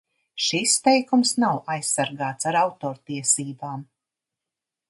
Šis teikums nav aizsargāts ar autortiesībām.